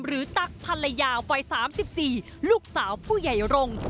หรือตักภรรยาวัย๓๔ลูกสาวผู้ใหญ่ร่ง